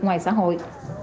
ngoài xã hội